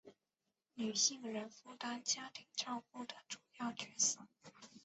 女性仍负担家庭照顾的主要角色